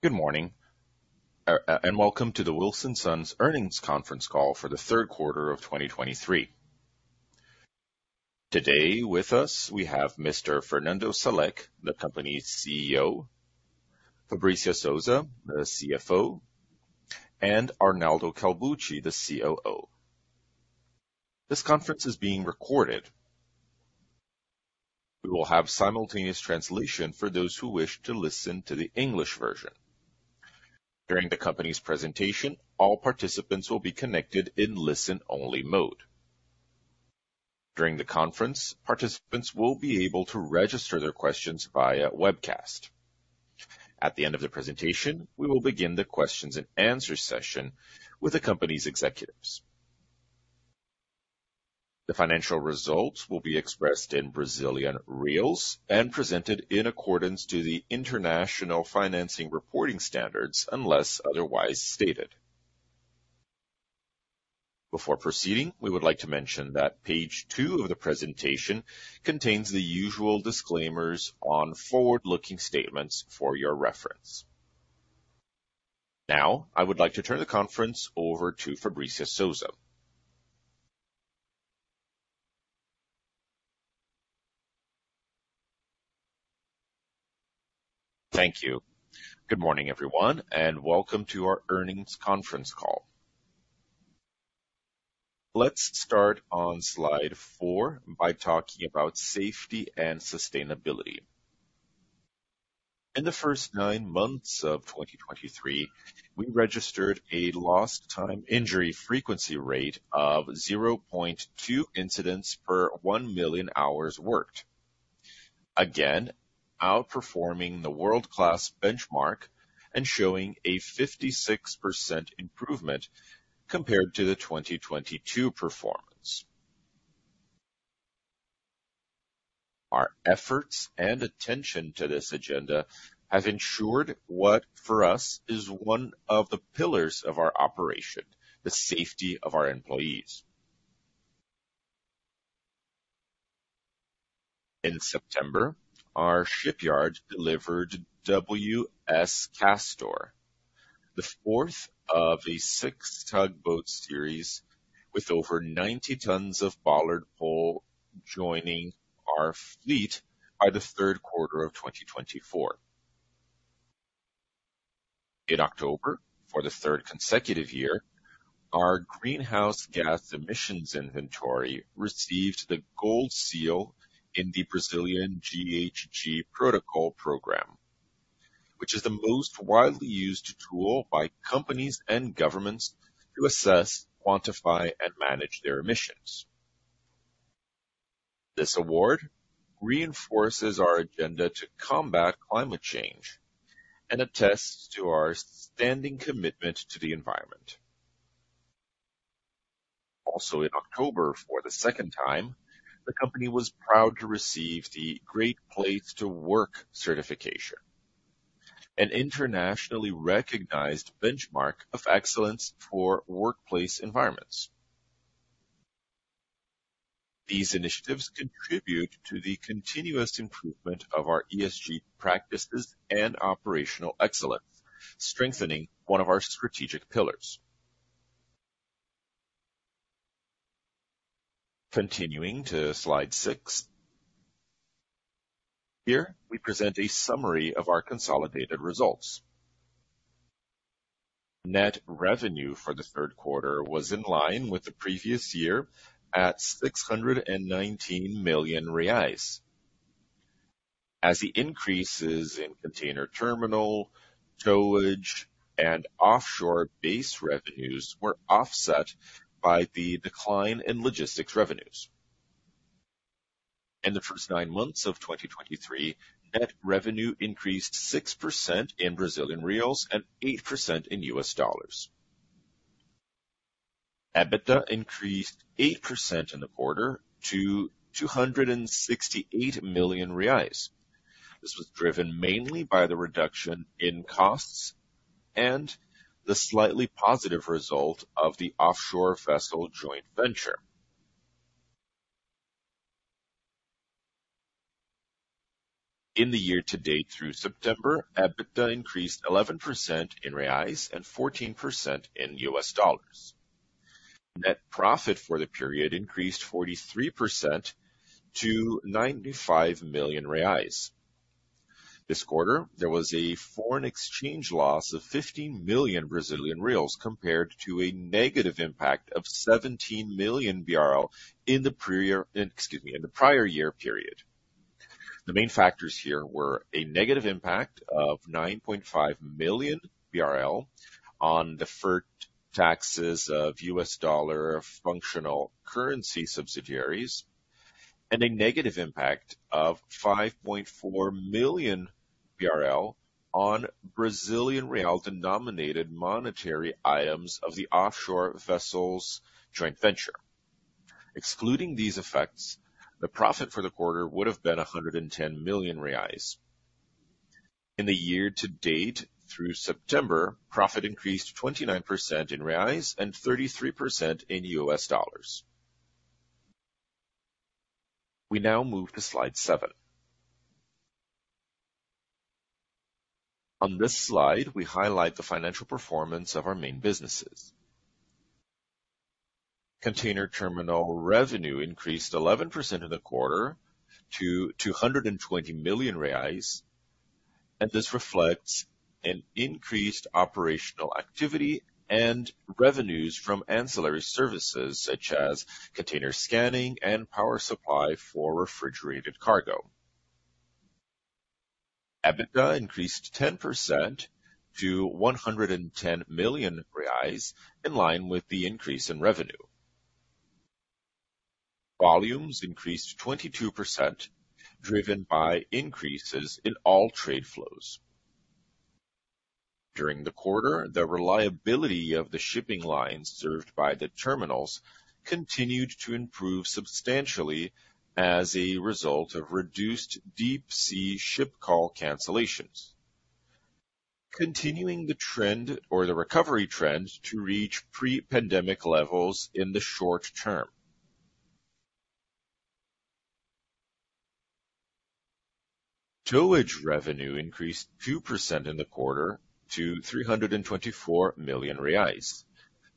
Good morning, and welcome to the Wilson Sons Earnings Conference Call for the Third Quarter of 2023. Today with us, we have Mr. Fernando Salek, the company's CEO, Fabrícia Souza, the CFO, and Arnaldo Calbucci, the COO. This conference is being recorded. We will have simultaneous translation for those who wish to listen to the English version. During the company's presentation, all participants will be connected in listen-only mode. During the conference, participants will be able to register their questions via webcast. At the end of the presentation, we will begin the questions and answer session with the company's executives. The financial results will be expressed in Brazilian reais and presented in accordance to the International Financial Reporting Standards, unless otherwise stated. Before proceeding, we would like to mention that page 2 of the presentation contains the usual disclaimers on forward-looking statements for your reference. Now, I would like to turn the conference over to Fabrícia Gomes de Souza. Thank you. Good morning, everyone, and welcome to our earnings conference call. Let's start on slide four by talking about safety and sustainability. In the first nine months of 2023, we registered a Lost Time Injury Frequency Rate of 0.2 incidents per 1 million hours worked. Again, outperforming the world-class benchmark and showing a 56% improvement compared to the 2022 performance. Our efforts and attention to this agenda have ensured what for us is one of the pillars of our operation, the safety of our employees. In September, our shipyard delivered WS Castor, the fourth of a six-tugboat series, with over 90 tons of bollard pull, joining our fleet by the third quarter of 2024. In October, for the third consecutive year, our greenhouse gas emissions inventory received the gold seal in the Brazilian GHG Protocol program, which is the most widely used tool by companies and governments to assess, quantify, and manage their emissions. This award reinforces our agenda to combat climate change and attests to our standing commitment to the environment. Also in October, for the second time, the company was proud to receive the Great Place to Work certification, an internationally recognized benchmark of excellence for workplace environments. These initiatives contribute to the continuous improvement of our ESG practices and operational excellence, strengthening one of our strategic pillars. Continuing to slide six. Here, we present a summary of our consolidated results. Net revenue for the third quarter was in line with the previous year at 619 million reais, as the increases in container terminal, towage, and offshore base revenues were offset by the decline in logistics revenues. In the first nine months of 2023, net revenue increased 6% in Brazilian reals and 8% in US dollars. EBITDA increased 8% in the quarter to 268 million reais. This was driven mainly by the reduction in costs and the slightly positive result of the offshore vessel joint venture. In the year-to-date through September, EBITDA increased 11% in reais and 14% in US dollars. Net profit for the period increased 43% to 95 million reais. This quarter, there was a foreign exchange loss of 15 million Brazilian reais compared to a negative impact of 17 million BRL in the prior... Excuse me, in the prior year period. The main factors here were a negative impact of 9.5 million BRL on deferred taxes of US dollar functional currency subsidiaries, and a negative impact of 5.4 million BRL on Brazilian real denominated monetary items of the offshore vessels joint venture. Excluding these effects, the profit for the quarter would have been 110 million reais. In the year-to-date through September, profit increased 29% in reais and 33% in US dollars.... We now move to slide seven. On this slide, we highlight the financial performance of our main businesses. Container terminal revenue increased 11% in the quarter to 220 million reais, and this reflects an increased operational activity and revenues from ancillary services, such as container scanning and power supply for refrigerated cargo. EBITDA increased 10% to 110 million reais, in line with the increase in revenue. Volumes increased 22%, driven by increases in all trade flows. During the quarter, the reliability of the shipping lines served by the terminals continued to improve substantially as a result of reduced deep-sea ship call cancellations, continuing the trend or the recovery trend to reach pre-pandemic levels in the short term. Towage revenue increased 2% in the quarter to 324 million reais,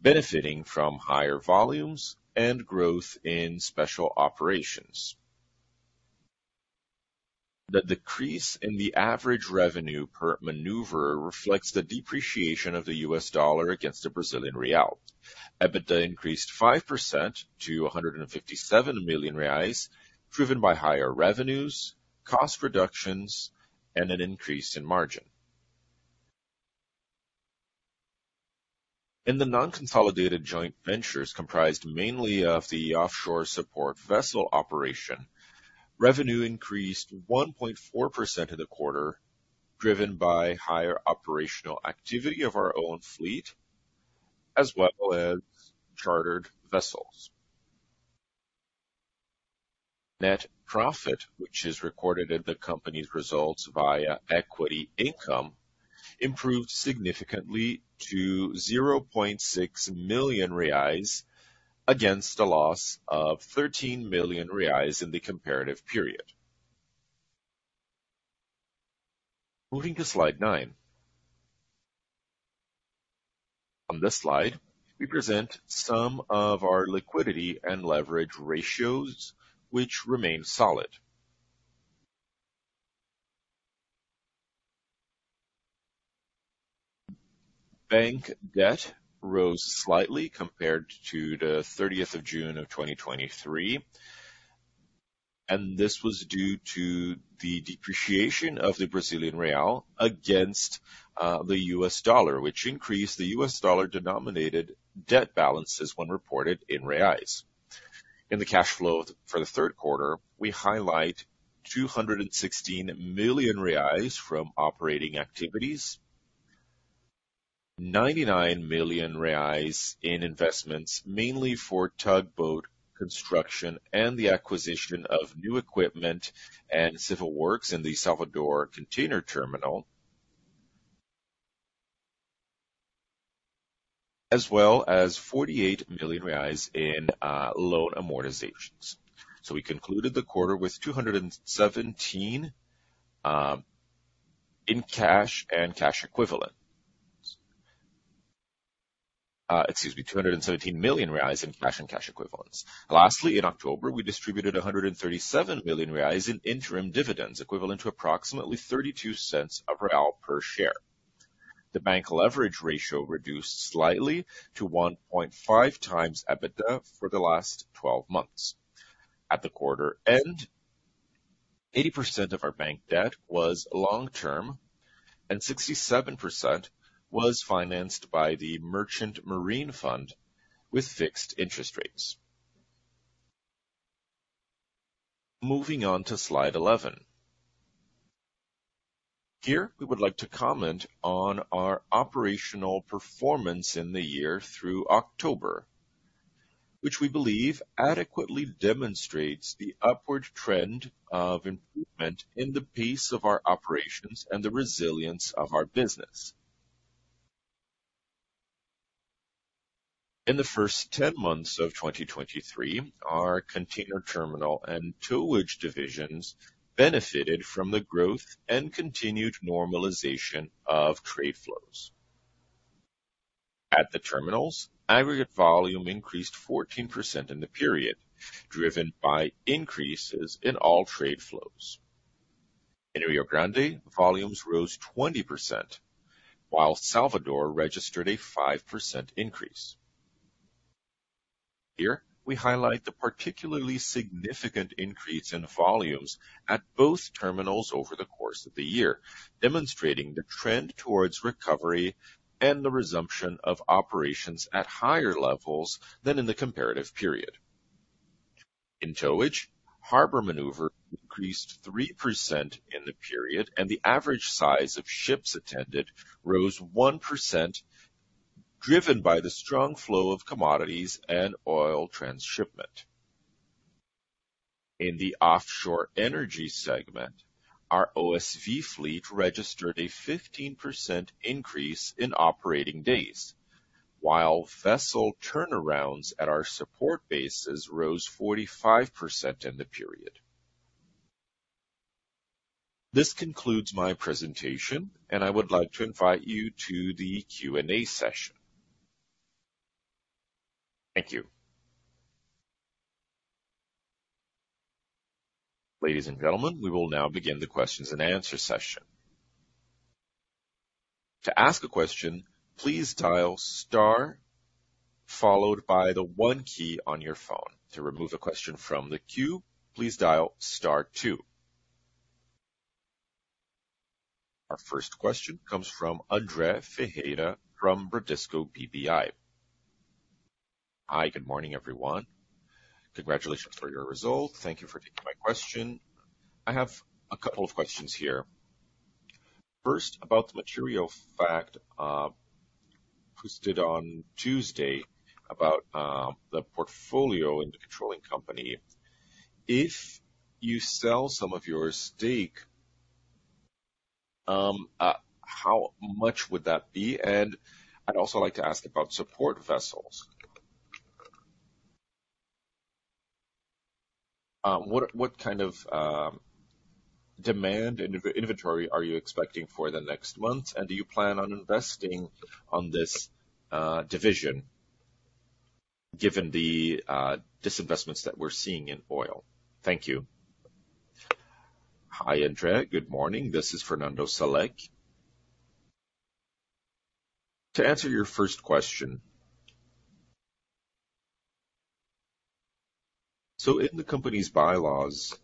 benefiting from higher volumes and growth in special operations. The decrease in the average revenue per maneuver reflects the depreciation of the US dollar against the Brazilian real. EBITDA increased 5% to 157 million reais, driven by higher revenues, cost reductions, and an increase in margin. In the non-consolidated joint ventures, comprised mainly of the offshore support vessel operation, revenue increased 1.4% in the quarter, driven by higher operational activity of our own fleet, as well as chartered vessels. Net profit, which is recorded in the company's results via equity income, improved significantly to 0.6 million reais, against a loss of 13 million reais in the comparative period. Moving to slide 9. On this slide, we present some of our liquidity and leverage ratios, which remain solid. Bank debt rose slightly compared to June 30th, 2023, and this was due to the depreciation of the Brazilian real against the US dollar, which increased the US dollar-denominated debt balances when reported in reais. In the cash flow for the third quarter, we highlight 216 million reais from operating activities, 99 million reais in investments, mainly for tugboat construction and the acquisition of new equipment and civil works in the Salvador container terminal, as well as 48 million reais in loan amortizations. So we concluded the quarter with 217 million reais in cash and cash equivalents. Lastly, in October, we distributed 137 million reais in interim dividends, equivalent to approximately 0.32 per share. The bank leverage ratio reduced slightly to 1.5x EBITDA for the last 12 months. At the quarter end, 80% of our bank debt was long-term, and 67% was financed by the Merchant Marine Fund with fixed interest rates. Moving on to slide 11. Here, we would like to comment on our operational performance in the year through October, which we believe adequately demonstrates the upward trend of improvement in the pace of our operations and the resilience of our business. In the first 10 months of 2023, our container terminal and towage divisions benefited from the growth and continued normalization of trade flows. At the terminals, aggregate volume increased 14% in the period, driven by increases in all trade flows. In Rio Grande, volumes rose 20%, while Salvador registered a 5% increase. Here, we highlight the particularly significant increase in volumes at both terminals over the course of the year, demonstrating the trend towards recovery and the resumption of operations at higher levels than in the comparative period. In towage, harbor maneuver increased 3% in the period, and the average size of ships attended rose 1%, driven by the strong flow of commodities and oil transshipment. In the offshore energy segment, our OSV fleet registered a 15% increase in operating days, while vessel turnarounds at our support bases rose 45% in the period. This concludes my presentation, and I would like to invite you to the Q&A session. Thank you. Ladies and gentlemen, we will now begin the questions and answer session. To ask a question, please dial star, followed by the one key on your phone. To remove a question from the queue, please dial star two. Our first question comes from Andre Ferreira from Bradesco BBI. Hi. Good morning, everyone. Congratulations for your results. Thank you for taking my question. I have a couple of questions here. First, about the material fact posted on Tuesday about the portfolio in the controlling company. If you sell some of your stake, how much would that be? And I'd also like to ask about support vessels. What kind of demand and in inventory are you expecting for the next month? And do you plan on investing on this division, given the disinvestment that we're seeing in oil? Thank you. Hi, Andre. Good morning. This is Fernando Salek. To answer your first question, in the company's bylaws,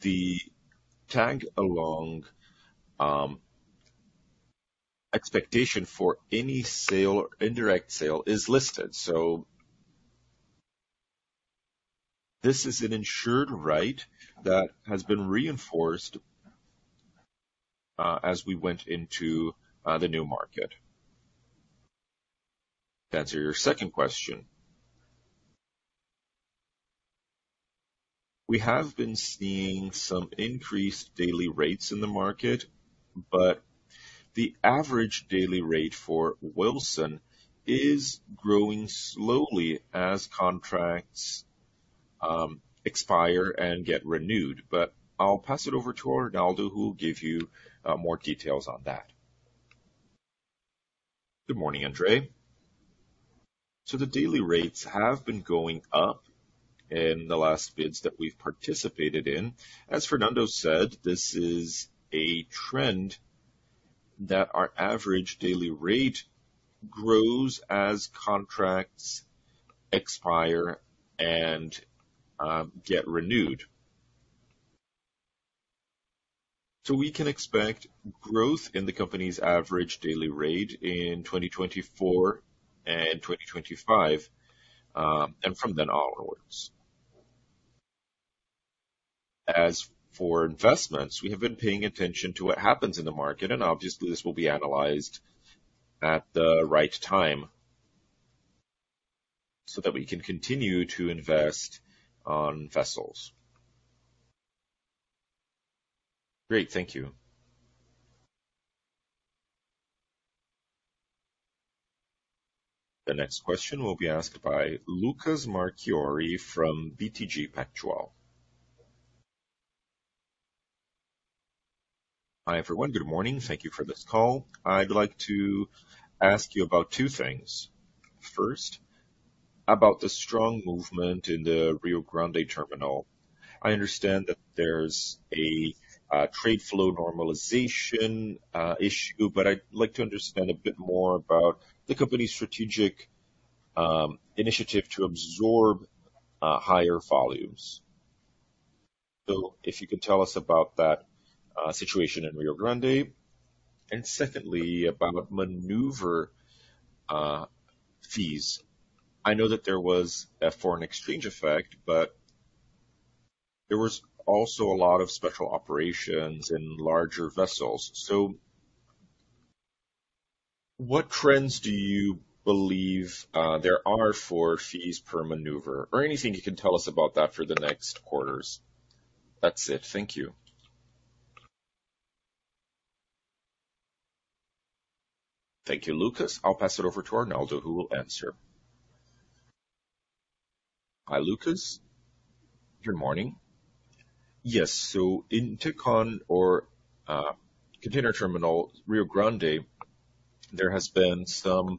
the tag-along expectation for any sale or indirect sale is listed. This is an ensured right that has been reinforced as we went into the Novo Mercado. To answer your second question, we have been seeing some increased daily rates in the market, but the average daily rate for Wilson is growing slowly as contracts expire and get renewed. But I'll pass it over to Arnaldo, who will give you more details on that. Good morning, Andre. So the daily rates have been going up in the last bids that we've participated in. As Fernando said, this is a trend that our average daily rate grows as contracts expire and get renewed. So we can expect growth in the company's average daily rate in 2024 and 2025, and from then onwards. As for investments, we have been paying attention to what happens in the market, and obviously, this will be analyzed at the right time, so that we can continue to invest on vessels. Great. Thank you. The next question will be asked by Lucas Marquiori from BTG Pactual. Hi, everyone. Good morning. Thank you for this call. I'd like to ask you about two things. First, about the strong movement in the Rio Grande terminal. I understand that there's a trade flow normalization issue, but I'd like to understand a bit more about the company's strategic initiative to absorb higher volumes. So if you could tell us about that situation in Rio Grande. And secondly, about maneuver fees. I know that there was a foreign exchange effect, but there was also a lot of special operations and larger vessels. So what trends do you believe there are for fees per maneuver or anything you can tell us about that for the next quarters? That's it. Thank you. Thank you, Lucas. I'll pass it over to Arnaldo, who will answer. Hi, Lucas. Good morning. Yes, so in Tecon, our Container Terminal, Rio Grande, there has been some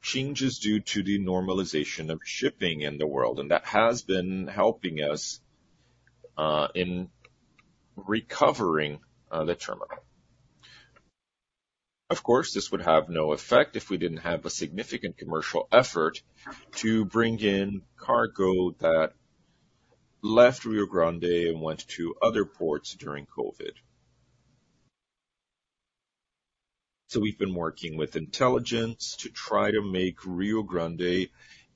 changes due to the normalization of shipping in the world, and that has been helping us in recovering the terminal. Of course, this would have no effect if we didn't have a significant commercial effort to bring in cargo that left Rio Grande and went to other ports during COVID. So we've been working with intelligence to try to make Rio Grande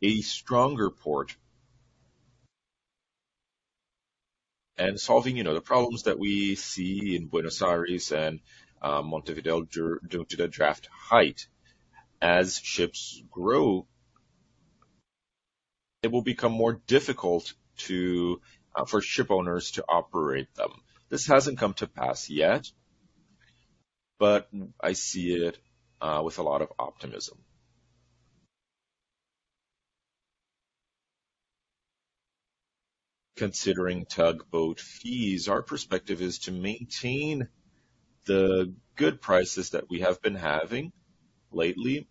a stronger port and solving, you know, the problems that we see in Buenos Aires and Montevideo due to the draft height. As ships grow... It will become more difficult for shipowners to operate them. This hasn't come to pass yet, but I see it with a lot of optimism. Considering tugboat fees, our perspective is to maintain the good prices that we have been having lately.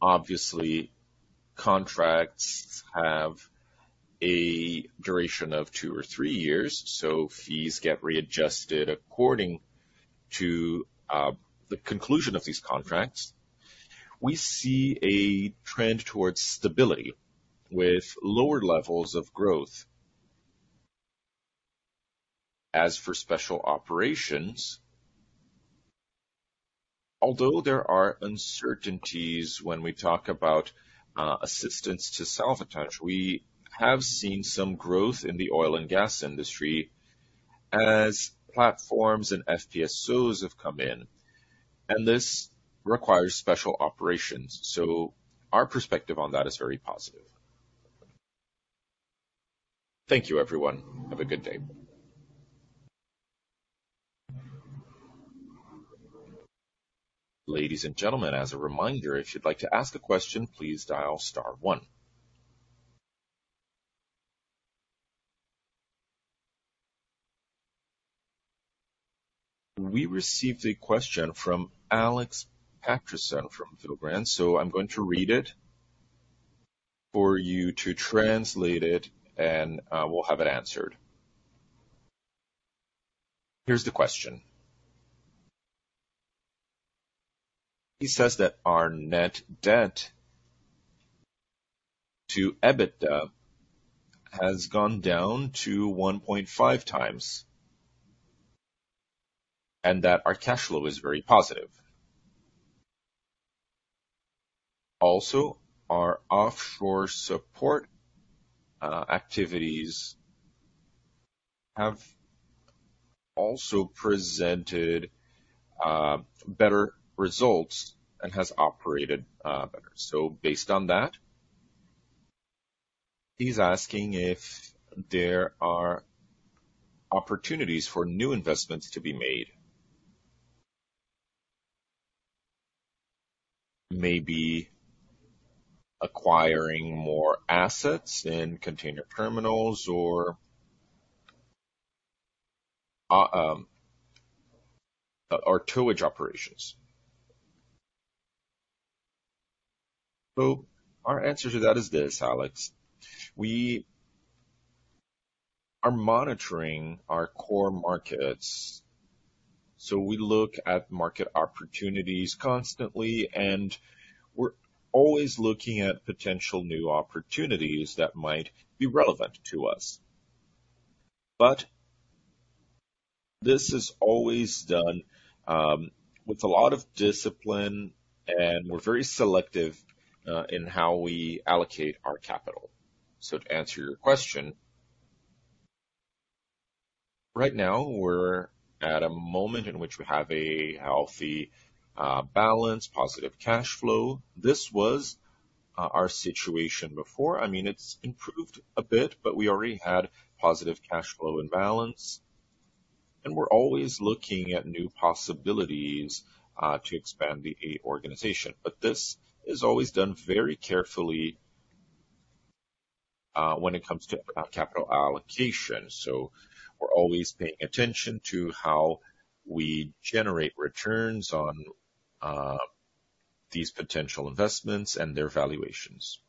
Obviously, contracts have a duration of two or three years, so fees get readjusted according to the conclusion of these contracts. We see a trend towards stability with lower levels of growth. As for special operations, although there are uncertainties when we talk about assistance to salvage, we have seen some growth in the oil and gas industry as platforms and FPSOs have come in, and this requires special operations, so our perspective on that is very positive. Thank you, everyone. Have a good day. Ladies and gentlemen, as a reminder, if you'd like to ask a question, please dial star one. We received a question from Alex Paterson from Filbren, so I'm going to read it for you to translate it, and we'll have it answered. Here's the question. He says that our net debt to EBITDA has gone down to 1.5 times and that our cash flow is very positive. Also, our offshore support activities have also presented better results and has operated better. So based on that, he's asking if there are opportunities for new investments to be made, maybe acquiring more assets in container terminals or our towage operations. So our answer to that is this, Alex, we are monitoring our core markets, so we look at market opportunities constantly, and we're always looking at potential new opportunities that might be relevant to us. But this is always done with a lot of discipline, and we're very selective in how we allocate our capital. So to answer your question, right now, we're at a moment in which we have a healthy balance, positive cash flow. This was our situation before. I mean, it's improved a bit, but we already had positive cash flow and balance, and we're always looking at new possibilities to expand the organization. But this is always done very carefully when it comes to capital allocation. So we're always paying attention to how we generate returns on these potential investments and their valuations.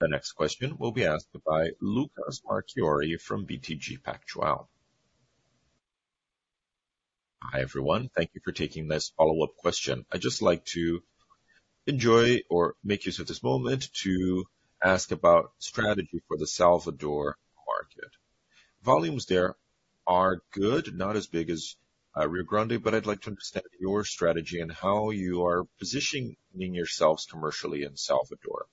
The next question will be asked by Lucas Marquiori from BTG Pactual. Hi, everyone. Thank you for taking this follow-up question. I'd just like to enjoy or make use of this moment to ask about strategy for the Salvador market. Volumes there are good, not as big as Rio Grande, but I'd like to understand your strategy and how you are positioning yourselves commercially in Salvador.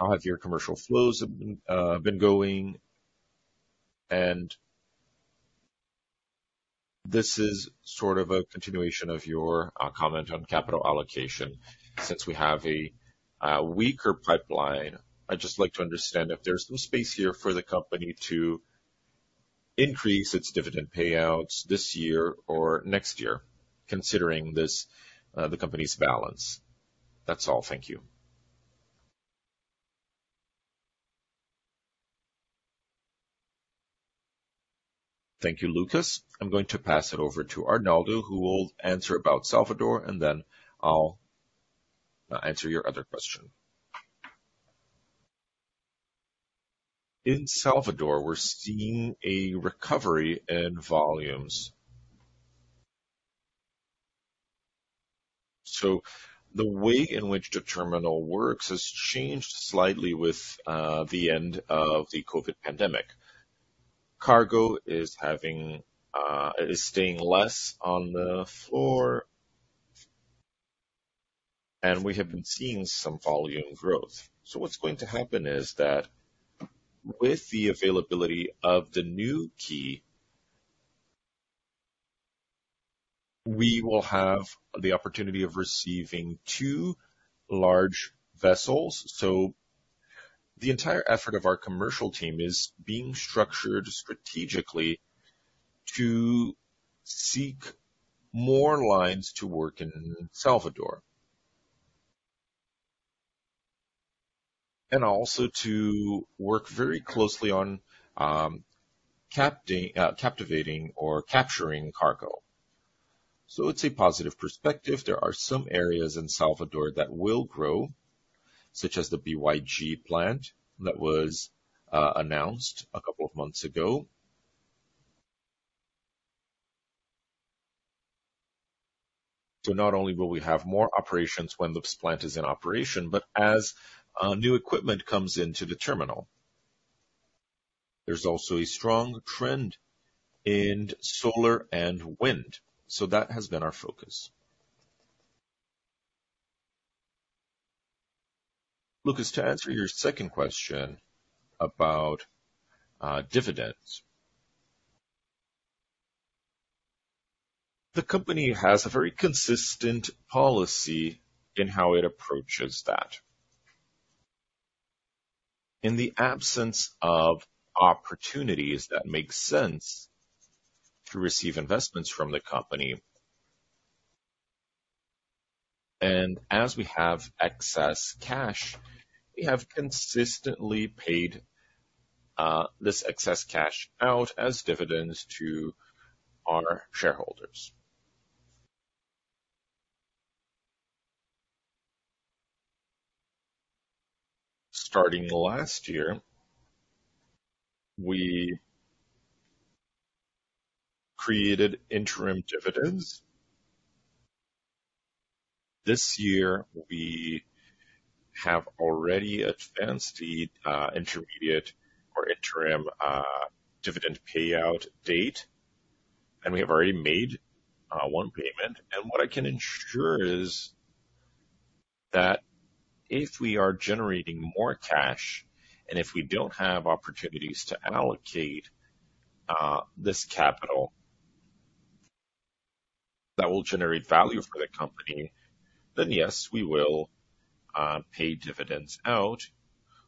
How have your commercial flows been going? This is sort of a continuation of your comment on capital allocation. Since we have a weaker pipeline, I'd just like to understand if there's some space here for the company to increase its dividend payouts this year or next year, considering this the company's balance. That's all. Thank you. Thank you, Lucas. I'm going to pass it over to Arnaldo, who will answer about Salvador, and then I'll answer your other question. In Salvador, we're seeing a recovery in volumes. So the way in which the terminal works has changed slightly with the end of the COVID pandemic. Cargo is staying less on the floor. And we have been seeing some volume growth. So what's going to happen is that with the availability of the new quay, we will have the opportunity of receiving two large vessels. So the entire effort of our commercial team is being structured strategically to seek more lines to work in Salvador, and also to work very closely on captivating or capturing cargo. So it's a positive perspective. There are some areas in Salvador that will grow, such as the BYD plant that was announced a couple of months ago. So not only will we have more operations when this plant is in operation, but as new equipment comes into the terminal, there's also a strong trend in solar and wind. So that has been our focus. Lucas, to answer your second question about dividends, the company has a very consistent policy in how it approaches that. In the absence of opportunities that make sense to receive investments from the company, and as we have excess cash, we have consistently paid this excess cash out as dividends to our shareholders. Starting last year, we created interim dividends. This year, we have already advanced the intermediate or interim dividend payout date, and we have already made one payment. What I can ensure is that if we are generating more cash, and if we don't have opportunities to allocate this capital, that will generate value for the company, then yes, we will pay dividends out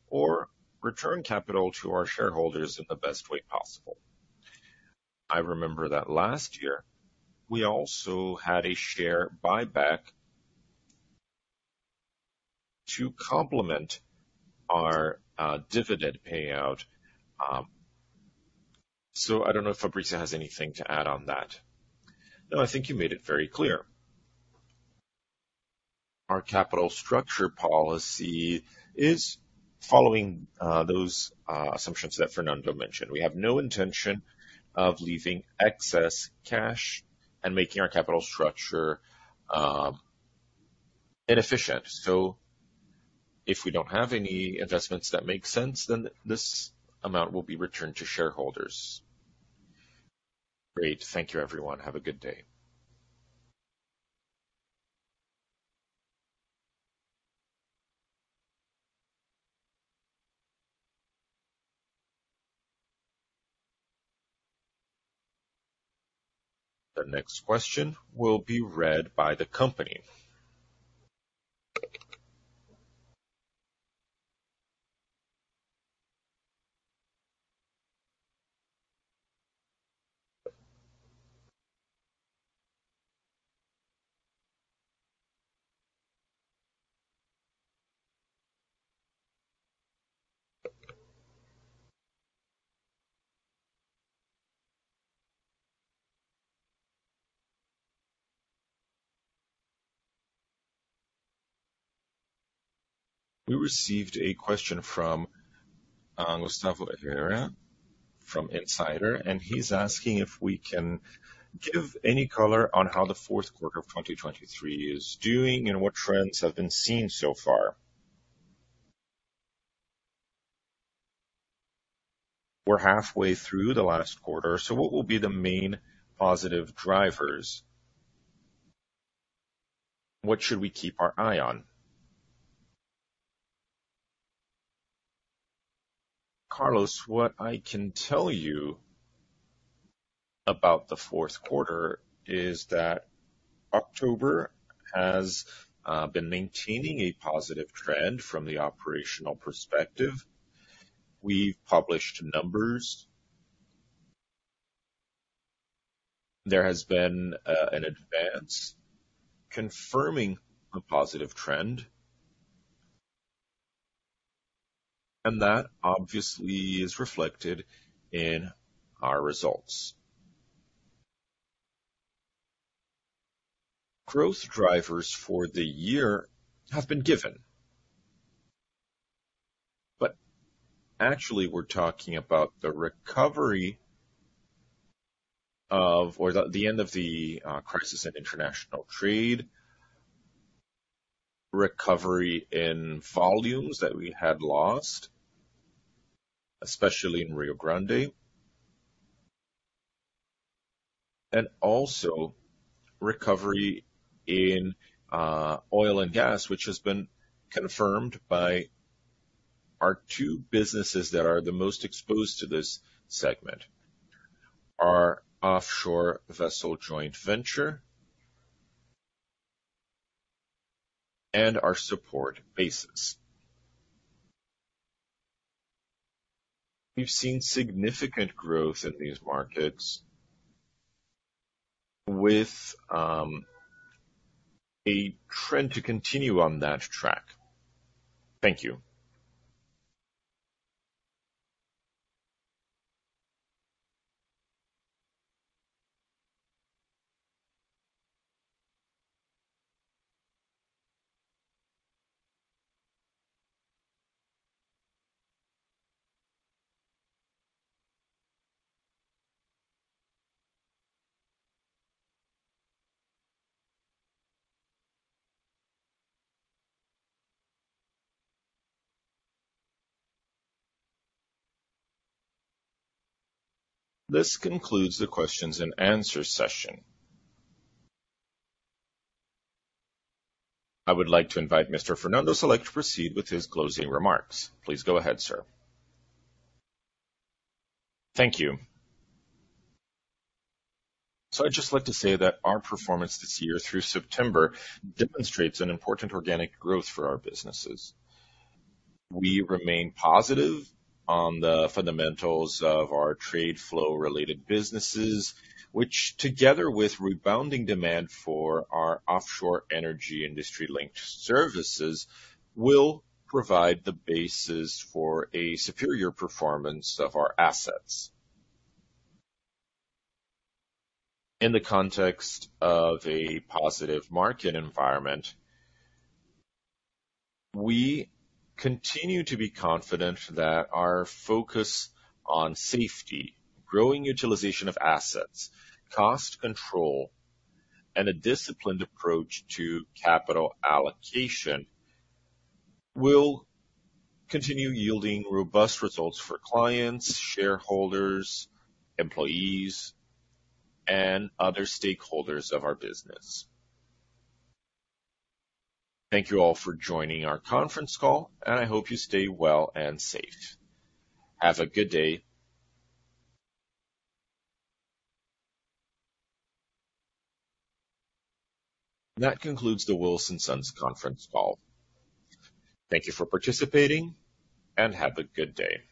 or return capital to our shareholders in the best way possible. I remember that last year, we also had a share buyback to complement our dividend payout, so I don't know if Fabrizio has anything to add on that. No, I think you made it very clear. Our capital structure policy is following those assumptions that Fernando mentioned. We have no intention of leaving excess cash and making our capital structure inefficient. So if we don't have any investments that make sense, then this amount will be returned to shareholders. Great. Thank you, everyone. Have a good day. The next question will be read by the company. We received a question from Gustavo Herrera from Insider, and he's asking if we can give any color on how the fourth quarter of 2023 is doing and what trends have been seen so far. We're halfway through the last quarter, so what will be the main positive drivers? What should we keep our eye on? Carlos, what I can tell you about the fourth quarter is that October has been maintaining a positive trend from the operational perspective. We've published numbers. There has been an advance confirming a positive trend, and that obviously is reflected in our results. Growth drivers for the year have been given, but actually, we're talking about the recovery of or the, the end of the crisis in international trade, recovery in volumes that we had lost, especially in Rio Grande. And also recovery in oil and gas, which has been confirmed by our two businesses that are the most exposed to this segment, our offshore vessel joint venture and our support bases. We've seen significant growth in these markets with a trend to continue on that track. Thank you. This concludes the questions and answers session. I would like to invite Mr. Fernando Salek to proceed with his closing remarks. Please go ahead, sir. Thank you. So I'd just like to say that our performance this year through September demonstrates an important organic growth for our businesses. We remain positive on the fundamentals of our trade flow-related businesses, which together with rebounding demand for our offshore energy industry-linked services, will provide the basis for a superior performance of our assets. In the context of a positive market environment, we continue to be confident that our focus on safety, growing utilization of assets, cost control, and a disciplined approach to capital allocation will continue yielding robust results for clients, shareholders, employees, and other stakeholders of our business. Thank you all for joining our conference call, and I hope you stay well and safe. Have a good day! That concludes the Wilson Sons conference call. Thank you for participating, and have a good day.